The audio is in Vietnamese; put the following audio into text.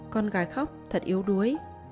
con gái khóc thật yếu đuối